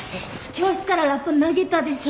教室からラッパ投げたでしょ。